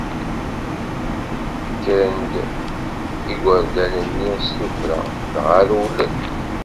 Kkren-d yigerdan-nni s tuffra, dɣa rewlen.